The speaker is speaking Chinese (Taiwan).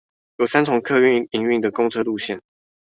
由三重客運營運的公車路線